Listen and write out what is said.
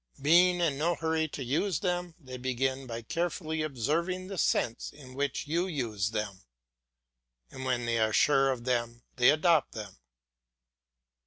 Being in no hurry to use them, they begin by carefully observing the sense in which you use them, and when they are sure of them they adopt them.